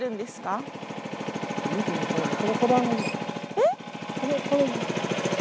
えっ！？